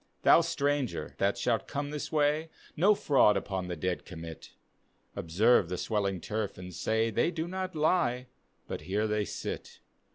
Thou, stranger that shalt come this way. No fraud upon the dead commit, — Observe the swelling turf and say, They do not lie, but here they sit.